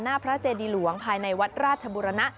พระเจดีหลวงภายในวัดราชบุรณะ